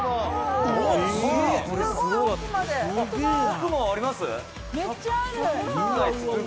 「奥もあります？」